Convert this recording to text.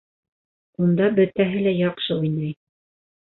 Унда бөтәһе лә яҡшы уйнай